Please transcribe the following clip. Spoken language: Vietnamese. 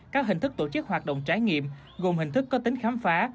các hình thức tổ chức hoạt động trải nghiệm gồm hình thức có tính khám phá